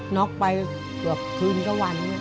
นอกไปกว่าคืนก็วัน